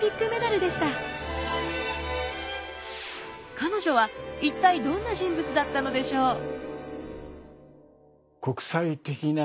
彼女は一体どんな人物だったのでしょう？え？